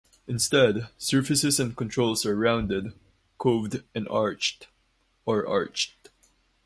Instead, surfaces and controls are rounded, coved, or arched.